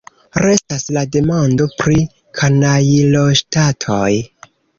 Restas la demando pri kanajloŝtatoj.